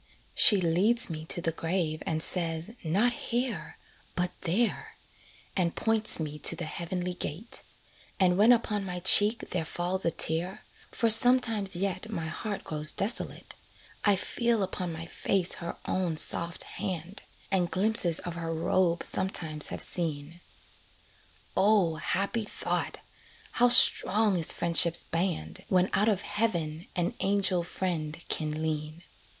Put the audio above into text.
She leads me to the grave and says, "Not here, But there," and points me to the heavenly gate; And when upon my cheek there falls a tear (For sometimes yet my heart grows desolate), I feel upon my face her own soft hand, And glimpses of her robe sometimes have seen. O, happy thought! how strong is friendship's band, When out of heaven an angel friend can lean.